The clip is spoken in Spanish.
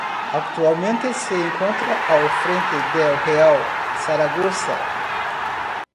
Actualmente se encuentra al frente del Real Zaragoza.